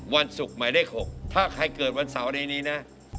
วันศุกร์หมายเลข๖ถ้าใครเกิดวันเสาร์ในนี้นะ